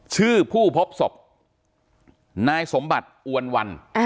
ผู้พบศพนายสมบัติอวนวัน